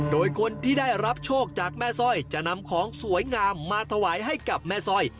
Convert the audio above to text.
โดยคนที่ได้รับโชคจากแม่สร้อยจะนำของสวยงามมาถวายให้กับแม่สร้อย